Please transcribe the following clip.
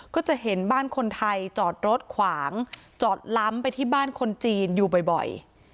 ก็จะเห็นบ้านคนไทยจอดรถขวางจอดล้ำไปที่บ้านคนจีนอยู่บ่อย